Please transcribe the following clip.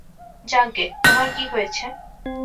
যাকগে, তোমার কি হয়েছে?